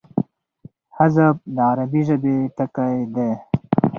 حذف د عربي ژبي ټکی دﺉ.